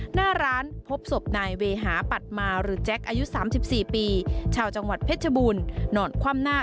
หน้าร้านพบศพนายเวหาปัดมาหรือแจ๊คอายุ๓๔ปีชาวจังหวัดเพชรบูรณ์นอนคว่ำหน้า